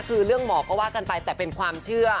คือเรื่องหมอก็ว่ากันไปแต่เป็นความเชื่อ